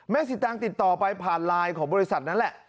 สิตางติดต่อไปผ่านไลน์ของบริษัทนั้นแหละ